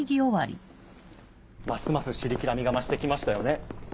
ますますシリキラみが増して来ましたよね。